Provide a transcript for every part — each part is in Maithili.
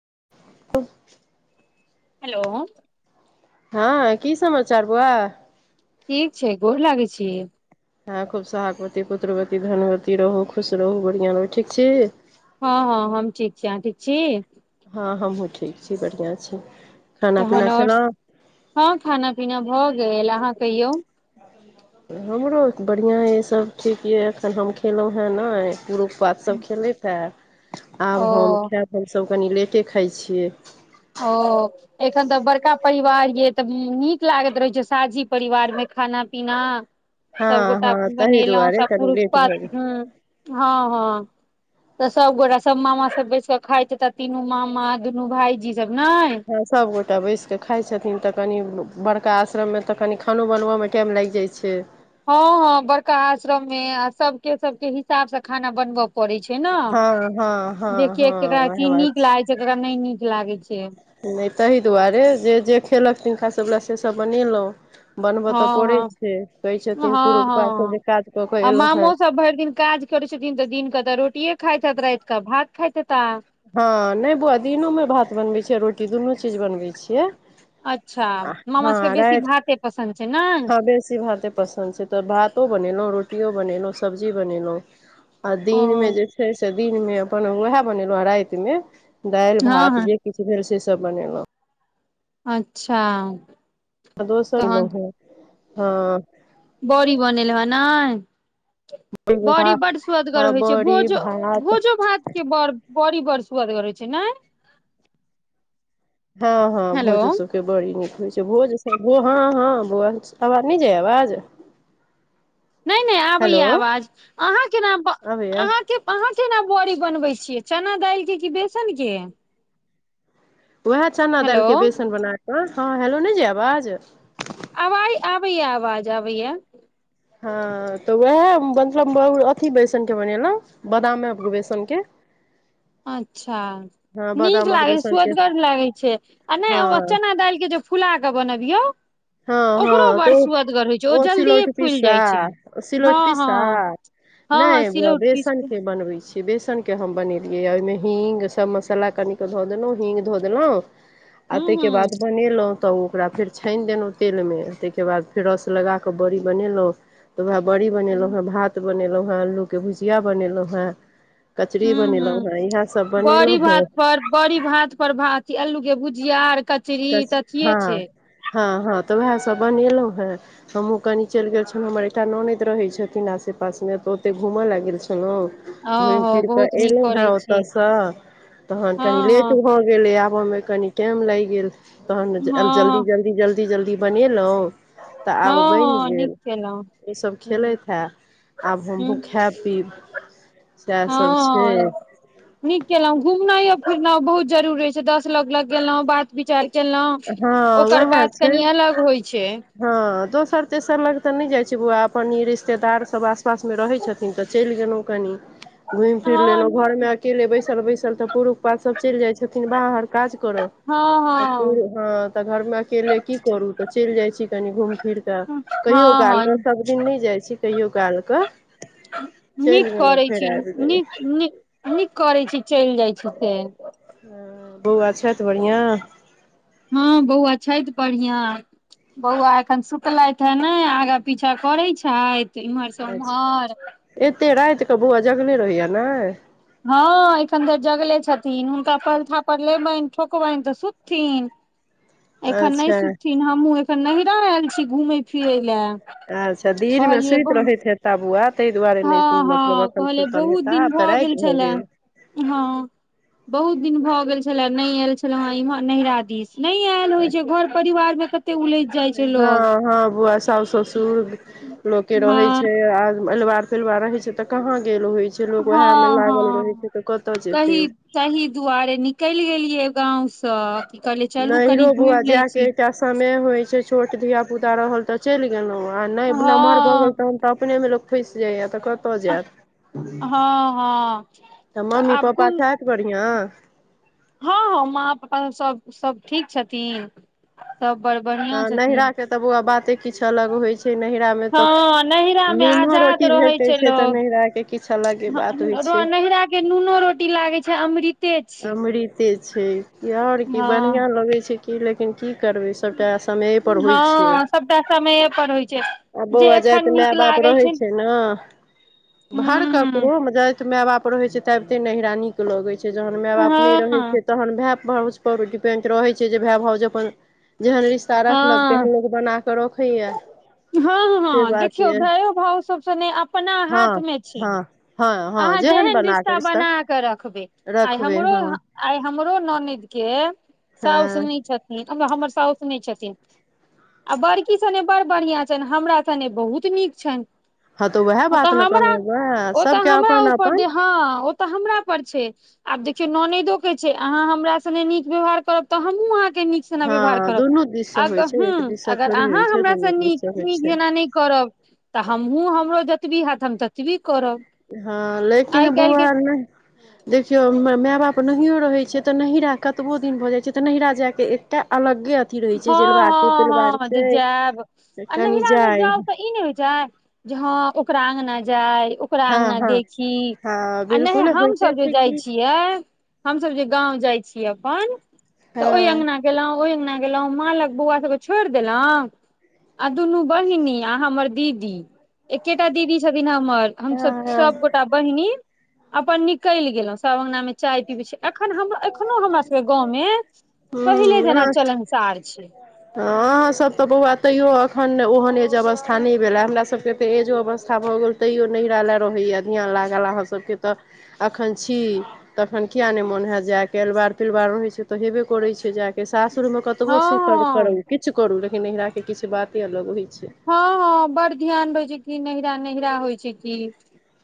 [inaudible] हेलो हँ की समाचार बौआ ठीक छैइ गोर लागै छी हँं खूब सुहागवती पुत्रवती धनवती रहू खुश रहू बढ़ियां रहू ठीक छी हँ हँ हम ठीक छी आहां ठीक छी हां हमहुँ ठीक छी बढ़िआँ छी खाना तहन पीना और खेलहुँ हँ खाना पीना भ गेल आहां कहियौ हमरो बढ़िआ अइ सब ठीक इय एखन हम खेलहुँ हँ नई पुरुष पात सब खेलैत हे आब ओ हम खायब हमसब कनि लेटे खाइ छियै ओ एखन तऽ बड़का परिवार य तऽ नीक लागैत रहैत छैइ साझी परिवार में खाना पीना हँ सबगोटा हँ ताहि बनेलहुँ दुआरे सब कनि पुरुख लेट पात भऽ गेल हूं हँअ् हँअ् तऽ सबगोटा सब मामा सब बैस के खााय छैइ तऽ तीनू मामा दुनू भायईजी हँअ सबगो टा बैस कऽ खाइ छथिन तऽ कनि बड़का आश्रममे तऽ कनि खानो बनबऽमे टाइम लागि जाइ छैइ हँअ् हँअ् बड़का आश्रम में आ सबके सबके हिसाब से खाना बनबय पड़ै छैइ ना हँ हँ हँ के हँ केकरा उएह की नीक लागे छैइ केकरा नई नीक लागै छैइ नई तहि दुआरे जे जे खयेलक तिनका सबला सेसब बनेलहुँ बनबय तऽ हँ पड़ैइ हँ छैइ कहै छथिन हँ पुरुखपात सब हँ जे काज कऽ के आ एलहु ह मामो सब भरि दिन काज छथिन तऽ दिन के तऽ रोटिए खाइत हैथ राति कऽ भात खाइत हेता हँअ् नई बौआ दिनोमे भात बनबैइ छियै रोटी दुनू चीज बनबैइ छियै अच्छा आ मामा सबके हं बेसी राति भाते पसन्द छै ने हँ बेसी भाते पसन्द छैइ त भ भातो बनेेलों रोट रोटियो बनेलो सब्जी बनेलों आ ओ दिन में जे से दिन में अपन वएह बनेलों राति में दालि हँ भात हँ जे किछु भेल से सब बनेलहुँ अच्छा दो सए किलो तहन है हँ [unintelligible] नई बड़ी बड्ड सुअदगर हँ होइ छैइ बड़ी भोजो भात भोजो भात के बड़ बड़ी बड़ सुअदगर होगा छैइ ना हँअ् हँअ् भोजो सबके बड़ी नीक होइ छैइ भोज हँअ् हँअ् बौ आवाज नई जाइय अवाज नई नई आबैय आवाज अहाँके नाम अबैया आहां के आहां केना बड़ी बनबै छियै चना दालि के कि बेसन के वएह चना दालि हेलो के बेसन बना के हँअ् हेलो नई जाइअ आवाज आबैय आवाज आबैया हँअ् तऽ उएह मतलब अथी बेसन के बनेलौं बादामे बेसन के अच्छा हँ नीक बादामक लागै छैइ बेसन के सुअदगर लागै छैइ आ नई ओ हँ चना दालि के जे फुला के बनबियौ हँअ् ओकरो हँअ् त बड़ सुअदगर होइ छै ओ जल्दिए सिलौट फुलि पिसा जाइ छै हँ सिलौट हँ पिसा हँ हँ नहि बौआ सिलौट पीस बेसन के बनबै छिअइ बेसनके हम बनेलियै ओहिमे हींग सभ मसाला कनिकऽ धऽ देलहुँ हींग धऽ देलहुँ आ हूँ तईके बाद हूँ बनेलहुँ तऽ ओ ओकरा फेर छानि देलहुँ तेल में तेई के बाद फेर रस लगाक बड़ी बनेलों तऽ वएह बड़ी बनेलों हे भात बनेलहुँ हें अल्लूके भुजिया बनेलहुँ हें हूंअ् हूंअ् बड़ी हेँ भात पर बड़ी भात पर भात अल्लू के भुज बिियार [unintelligible] कस हँअ् हँअ् हँअ् तऽ वएह सब बनेलहुं हँअ् हमहूँ कनि चलि गेल छलहुँ हमर एकटा ननद रहै छथिन आसेपासमे तऽ ओते घूमऽ लए गेल छलहुँ घुमि ओहो फिर कऽ बहुत नीक एलंहु ह करै छी ओतयसँ तहन हँ कनी लेट हँ भऽ गेलै आब आबऽ मे कनि टाइम लाइग गेल तहन जल्दी हँ जल्दी जल्दी जल्दी बनेलौ तऽ आब हँ बैइन हँ नीक गेल केलहुँ इसभ ह खेलैत हए आब ह हमहू खेएब पीब सएहसभ छै हँ नीक केलौ घुमनायो फिरनाइ बहुत जरूरी छैय दस लोग लग गेलौ बात विचार केलहुँ हँ ओकर उएह बाद छै कनि अलग होइ छै हँ दोसर तेसर लग तऽ नैय जाय बौआ अपन ई रिश्तेदारसभ आसपासमे रहै छथिन तऽ चैल गेलहुँ कनि घुइम फिर हँ लेलौ घरमे नीक अकेले बैसल बैसल तऽ पुरुख पात सब चैल जाइत छथिन बाहर काज करऽ तऽ हँ पुरू ह त घरमे अकेले की करू तऽ चैल जाय छी कनि घूइमि फिर कऽ हँ कहियो हँ हँ कालके सभ दिन नैय जाइ छी कहियो कालके नीक करैय छी गेलहुँ नीक नीक करैय छी चैल जाइ छी से हँ बौआ छैथ बढ़िआँ हँ बौआ छैथ बढ़िआं बौआ अखन सुतलैथ हन नैय आगा पीछा करैय छैथ अच्छा एते राइत क बौआ जगले रहै या नैय हँ एखन धैर जगले छथिन हुनका पलथा पर लेबै ठोकबैन तऽ सुतथिन एखन नहि अच्छा सुतथिन हमहुँ एखन नैहरा एयल छी घूमै फिरै लए अच्छा दिन मे कहलियै सुइत बहु रहैत हेता बौआ ताहि दुआरे नहि हँ मतलब हँ एखन कहलिए सुतल बहुत हेता दिन आब तऽ भऽ गेल राति छलए हँ बहुत दिन भऽ गेल छलए नहि एयल छलए इमहर नैहरा दिश नैय एयल होइ छैय घर परिवार मे कते उलझि जाइ छैय लोग लोक के रहे हँ छैय आ एलवार पलिवार रहै छै तऽ कहाँ गेल होइ छै लोक उएह मे हँ लागल रहै छै हँ तऽ कतऽ जेतै तहि तही दुआरे निकैल गेलियै गाँव सँ की कहलियै चलू कनि नहिरो घुमि बुआ लै जाके छी एकटा सन मे होइ छैय छोट धिया पुता रहल तऽ चलि गेलौ आ नैय हँ नमहर भऽ गेल तहन तऽ अपने मे लोक फइस जाए तऽ कतऽ जाएत हँ हँ तऽ तऽ मम्मी आब पापा कोन छैथ बढ़िआं हँ हँ माँ पपा सब सब ठीक छथिन सब बड़ बढ़िआँ हां नैहरा छथिन के तब बौआ बाते किछ अलग होइ छै नैहरा मे तऽ हँ नैहरा मे नूनो आजाद रोटी रहै भेटैय छै छैय तऽ नैहरा के किछ अलगे बात होइ छै ह नैहरा के नूनो रोटी लागै छै अमृते छैय अमृते छै और की बढ़िया लगै छै कि लेकिन की की करबै सभटा समये पर होइ छैय हँ सबटा समये पर होइ छै आ जे बौआ एखन जाइत माय नीक बाप लागे रहै छै न भर हुँ ककरो जाइत माय बाप रहे छैय ताइबते नैहरा नीक लगै छैय जहन माय हँ बाप नहि रहै छैय तहन भेअ भौज पर डिपेंड रहै छैय जे भेअ भौज अपन जेहन रिश्ता राखलक हँ तेहन लोक बना क रखैया हँ से हँ बात देखियौ यऽ भयो भाव सब स सने अपना हँ हाथमे छैय हँ हँ हँ अहाँ जेहन बना कऽ रिश्ता बना क रखबै आइ रखबै हमरो हँ आइ हमरो ननैद के साउस हँ नैय छथिन हम हमर साउस नैय छथिन आ बड़की सने बड़ बढ़िआ छैन हमरा सने बहुत नीक छैन हँ त वएह बात न कहलू वां ओ तऽ हमरा ऊपर देहौ उ तऽ हमरा पर छै आब देखियौ ननैदो के छैय अहाँ हमरा सने नीक व्यवहार करब तऽ हमहूं आहां के नीक सने व्यवहार हँ करब दुनू दिस से आग होइ छै एक हं दिस से अगर थोड़ी आहां होइ छै हमरा दुनू सने दिस से होइ नीक छै जना नैय करब तब तऽ हमहू हमरो जतबी हेत हम ततबी करब हँ लेकिन आइ काल्हि बौआ नैह देखियौ के माय बाप नहियो रहै छै तऽ नैहरा कतबो दिन भऽ जाइ छै तऽ नैहरा जाय के एकटा अलग हँ हँ हँ जे छै जाइब आ कनि नैहरा मे जाइ जाइब तऽ ई नैय होइ छै जे हँ ओकरा अगना जाय ओकरा हँ अगना हँ देखी हँ आ नहि बिलकुल हम होइते सभ जे छै जाइ कि छियै हम सभ जे गाँंव जाइ छियै त ओई हँ अंगना गेलौं ओई अंगना माँ लंग बौआ सबके छोड़ि देलहु आ दुनू बहिनी आ हमर दीदी एकेटा दीदी छथिन हमर हम सब हँ हँ सब ह गोटा बहिनी अपन निकइल गेलोँ सब अंगना मे चाय पीबि छै एखन हम एखनो हमरा सबके गाँंव में पहिले जेना अहाँ चलन हँ सब तऽ बौआ तैयो अखन ओहन एज अवस्था नहि भेलै हमरा सबके त एजो अवस्था भऽ गेल तैयो नहिरा ला रहैया धियान लाँगल आहा सबके तऽ एखन छी तखन किया नहि मोन होयत जाय के अलवार पिलवार रहै छै तऽ हेबे करै छै जाय के सासुर में हँ कतबो सुख हँ करू किछ करु लेकिन नहिरा के किछ बाते अलग होइ छै हँ हँ बड़ ध्यान रहै छै कि नहिरा नहिरा होइ छै कि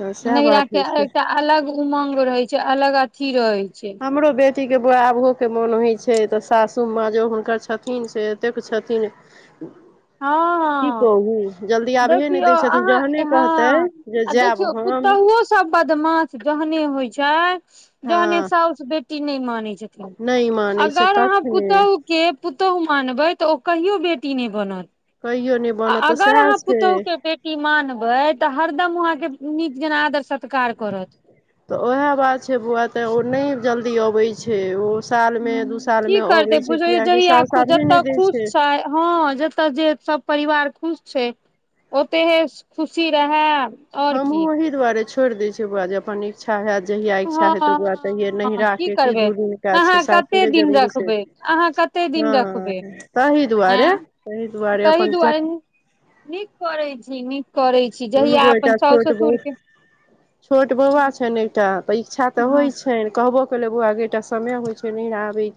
हँ सएह नहिरा बात होइ के छै एकटा अलग उमंग रहे छै अलग अथी रहे हमरो बेटी के बौआ आबहो के मोन होइ छै छै तऽ सासू माँ जो हुनकर छथिन से एतेक छथिन हं हं की हां कहू जल्दी आबहे नहि देखियौ दै छथिन अहाँ जहने हँ कहतै जे आ जायब देखियौ हम पुतहुओ सब बदमाश जहने होइ छै जहने हँ साउस बेटी नई माने छै नहि मानै छै अगर अहाँ तखने पुतोहु के पुतोहु मानबै तऽ उ कहियो बेटी नइ बनत कहियो नहि आ बनत तऽ अगर सएह अहाँ छै पुतोहु के बेटी मानबै तऽ हरदम ओ आहाँ के निक जेना‌ तऽ ओएह बात छै बौआ तऽ ओ नइ जल्दी अबै छै ओ सालमे ह दू की सालमे करतै अबै छै बुझ कियकि साउस जहिखू सालहे नहि जतय दै खुश छै हँ जतऽ जे सब परिवार खुश छै ओतेहे खुशी रहै आओर की हमहु ओहि दुआरे छोड़ि दै छी बौआ जे अपन इच्छा हय जहिया इच्छा हँ हेतै ओरा तहिये हँ हँ नहिरा के की करबै दू दिन का छै अहाँ कते सासुरे दिन जरूर छै रखबै अहाँ कते दिन रखबै हँ तहि दुआरे आँ तहि दुआरे ताहि अपन दुआरे नीक करय छी कि दुनू गोटा छोट बौ छोट बौआ छैन एकटा परीक्षा तऽ हँ होइ छनि कहबो केलौ बउआ गै एकटा समय होइ छै नहिरा आबै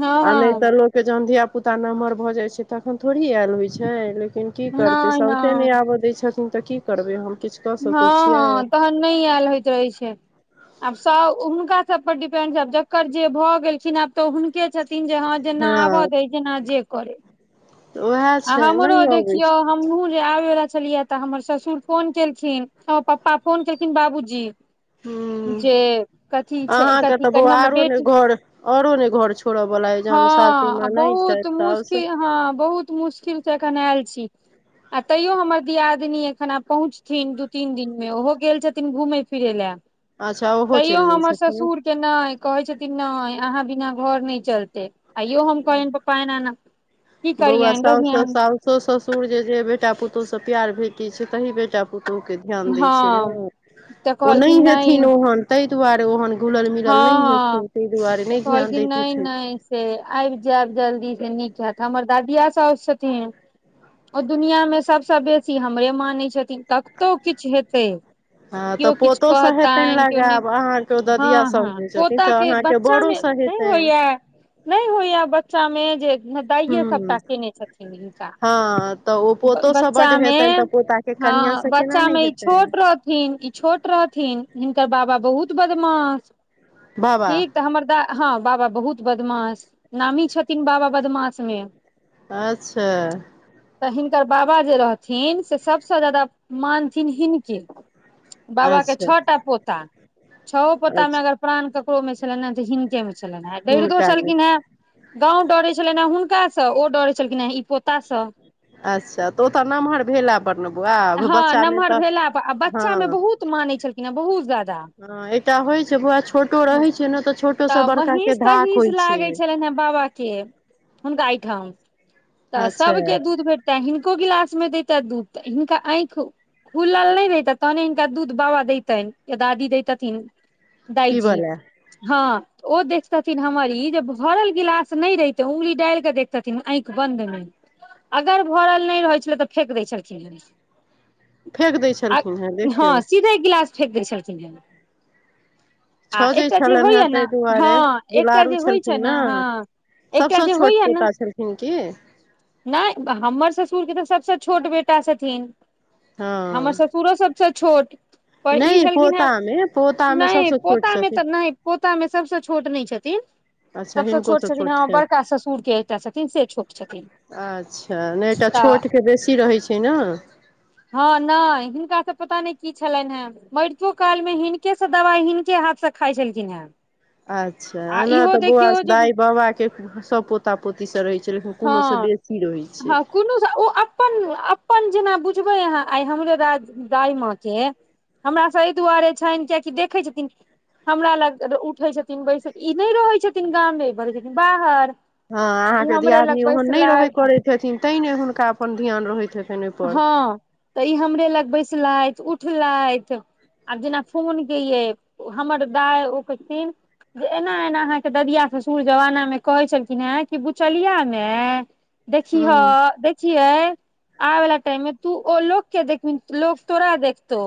हँ नहि हँ तऽ लोक जहन धिया पुता नमहर भऽ जाइ छै तखन थोड़ही आयल होइ छै लेकिन की करतै साउसे नहि आब छथिन तऽ की करबै हम हँ छियै हँ तहन नहि आयल होइत रहै छै आब सब हुनका सभ पर डिपेंड छै आब जकर जे भऽ गेलखिन आब तऽ हु नके छथिन जे हँ जेना हँ आबऽ दै जेना जे करै उएह आ छै हमरो नहि अबै देखियौ छै हमहुँ जे आबय वला छलियै तऽ हमर ससुर फोन केलखिन हमर पप्पा फोन केलखिन बाबूजी हुं जे कथी छै अहाँके कथी तऽ बौ कनि हमरा आरो ने बेटी घर औरो ने घर छोड़ऽ बला जहन सासूमां हँ नहि छैथ साउस मुशकिलसं एखन आयल छी आ तैयो हमर दियादिननी एखन आब पहुँचथिन दू तीन दिन मे ओहो गेल छथिन घुमय फिरय लए अच्छा ओहो तैयो चलि गेल हमर छथिन ससुर के नहि कहै छथिन नहि अहाँ बिना घर नहि चलते आइयो हम कहियनि पप्पा एना ए की करियैन सउसो साससो ससुर जे बेटा पुतहु से प्यार भेटे छै तहि बेटा प पुतहु के ध्यान दै छै हँ तऽ ओ नहि कहलखिन हेथिन ओहन ताहि दुआरे ओहन घुलल मिलल हँ नहि हँ हेथिन ताहि दुआरे तऽ नहि ध्यान कहलखिन दैत नहि हेथिन नहि से आइब जायब जल्दी से नीक हत हमर दादीया साउस छथिन ओ दुनियामे सभसँ बेसी हमरे मानै छथिन कतहु किछु हेतै हँ तऽ केओ किछु पोतोसँ हेतनि कहतनि केओ नहि लगाव अहाँके ओ हँ ददिया साउस हँ जे छथिन पोता तऽ के अहाँके बच्चामे बड़ोसँ नहि हेतनि होइया नहि होइया बच्चामे जे दाइए हूँ सभटा केने छथिन हिनका हँ तऽ ओ पोतोसँ बच्चा बड्ड मे हेतनि तऽ पोताके हँ कनिआँसँ केना बच्चा नहि मे ई हेतनि छोट रहथिन ई छोट रहथिन हिनकर बाबा बहुत बदमाश बाबा ठीक तऽ हमर द हं बाबा बहुत बदमास नामी छथिन बाबा बदमासमे अच्छा तऽ हिनकर बाबा जे रहथिन से सबसँ जादा मानथिन हिनके बाबा के अच्छा छ टा पोता छओ पोतामे अच्छा अगर प्राण ककरोमे छले ने तऽ हिनकेमे छलइन है डइरतो तो हिनका नहि छलखिन हँ गाँंव डरे छलनि हे हुनकासँ ओ डरे छलखिन हेँ ई पोता सँ अच्छा तऽ ओतऽ नमहर भेला पर न बउआ हँ बच्चा मे नमहर तऽ भेला पर आ हँ बच्चा मे बहुत मानै छलखिन हे बहुत ज्यादा हँ एकटा होइत छै बौआ छोटो रहैत छै ने तऽ छोटोसँ बड़का के धा महिस लागे छलनि हे बाबा के हुनका एहिठाम तऽ अच्छा सबके दू हिनको गिलास मे देता दूध तऽ हिनका आँखि खुलल नहि रहितै तहने हिनका दूध बाबा देैतनि या दादी देैतथिन पीबऽ दाइजी लए हँ ओ देखतथिन हमर ई जे भरल गिलास नहि रहेतै उंगुरी डालिके देखतन आँखि बंदमे अगर भरल नहि रहै छलै तऽ फेेक दइ छलखिन हन ई फेेक दै छलखिन हेँ आ देखियौ हँ सीधे गिलास फेेक दै छलखिन आ छजै एकटा जे छलनि हेँ होइय ने ताहि हँ दुआरे एकटा दुलारू जे होइ छै छलखिन ने हँ एकटा सभसँ जे छोट होइया ने पोता छलखिन की नहि हमर ससुरके तऽ सभसँ छोट बेटा छथिन हमर हँ ससुरो सभसँ छोट पर ई नहि छलखिन हेँ पोतामे पोतामे नहि सभसँ छोट पोतामे छथिन तऽ नहि पोतामे सभसँ छोट नहि छथिन अच्छा सभसँ हिनको छोट सँ छथिन हं छनि बड़का ससुरके एकटा छथिन से छोट छथिन अच्छा नहि एकटा तऽ छोटके बेसी रहै छै ने हुनका से पता नहि की छलनि हेँ मरितियो काल मे हिनके से दवाइ हिनके हाथ से खाइ छलखिन हे अच्छा एना तऽ बौआ दाय बाबा के सब पोता पोती स रहै छै लेकिन कोनो से हँ बेसी रहै छै हँ कोनो ओ अपन अपन जेना बुझबे अहाँ आइ हमरे दाय माँ के हमर सभ एहि दुआरे छनि कियाकि देखै छथिन हमरा लग उठै छथिन बैसक ई नहि रहै छथिन गामे भरै छथिन बाहर हँ ई अहाँके हमरे लग दियादनी ओहन नहि रहय बैसलथि करैत छथिन तै ने हुनका अपन ध्यान रहैत हैतइन हँ तऽ ई हमरे लग बैसलथि उठलथि आब जेना फोन के यइ हमर दाय ओ कहथिन जे एना एना अहाँके ददिया ससुर जमाना मे कहै छलखिन हे कि बुचलिया माँ देखिह हूँ देखियै आब वला टाइम मे तू ओ लोक के देखबीहीन लोको तोरा देखतौ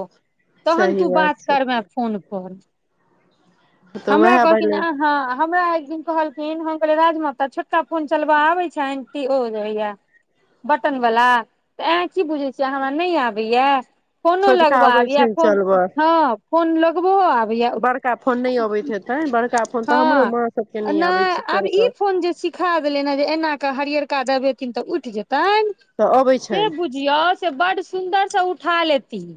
तहन सही तू बात छै करबै फोन पर तऽ हमरा उएह कहथि भेलै हँ हमरा एकदिन कहलखिन हम कहिलियै राज माता छोटका फोन चलबा आबै छैन टो ओ याया बटन वला तऽ ए की बुझैत छियै हमरा नहि आबैया फोनो छोटका लगबहो अबै आबैया छनि फोन चलबऽ हँ फोन लगबहो आब बड़का फोन नहि अबैत हेतै बड़का फोन तऽ हमरो हँ माँ सबके नहि आबै नइ छै आब ई चलबऽ फोन जे सिखा देले ने जे एना हरियरका दबेथिन तअ उइठ जेतइन तऽ अबै से छनि बुछियोउ से बड़ स सुन्दर से उठा लेती